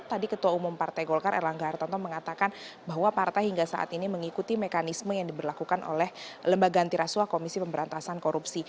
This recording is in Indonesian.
tadi ketua umum partai golkar erlangga hartanto mengatakan bahwa partai hingga saat ini mengikuti mekanisme yang diberlakukan oleh lembaga antirasuah komisi pemberantasan korupsi